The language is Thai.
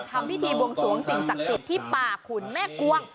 ทำพิธีบวงสวงสิ่งศักดิ์สิทธิ์ที่ป่าขุนแม่กวง